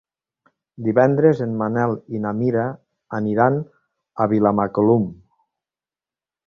Divendres en Manel i na Mira aniran a Vilamacolum.